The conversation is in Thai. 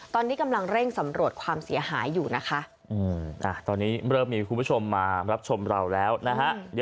ตอนนี้กำลังเร่งสำรวจความเสียหายอยู่นะคะตอนนี้เริ่มมีคุณผู้ชมมารับชมเราแล้วนะฮะ